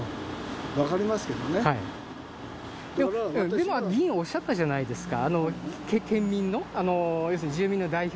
でも議員おっしゃったじゃないですか。